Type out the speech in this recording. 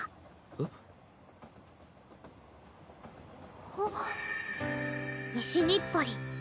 えっ？あっ西日暮里。